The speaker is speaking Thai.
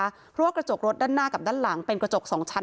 เพราะว่ากระจกรถด้านหน้ากับด้านหลังเป็นกระจกสองชั้น